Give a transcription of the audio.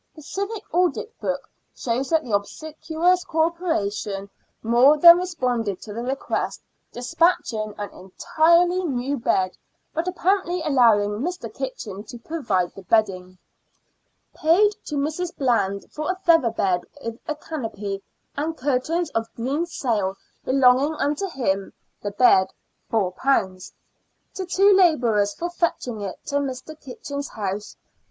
The civic audit book shows that 54 SIXTEENTH CENTURY BRISTOL. the obsequious Corporation more than responded to the request, despatching an entirely new bed, but apparently allowing Mr. Kitchin to provide the bedding —" Paid to Mrs. Blande for a feather bed with a cannapayne and curtains of green sail belonging unto him [the bed] £4. To two labourers for fetching it to Mr. Kitchin's house 46..